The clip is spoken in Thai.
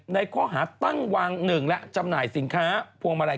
ในข้อหาตั้งวางหนึ่งและจำหน่ายสินค้าพวงมาลัย